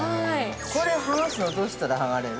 ◆これ、剥がすの、どうしたら剥がれる？